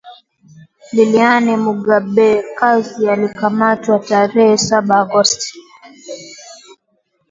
Liliane Mugabekazi alikamatwa tarehe saba Agosti